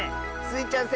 スイちゃん